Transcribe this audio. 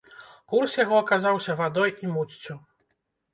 Курс яго аказаўся вадой і муццю.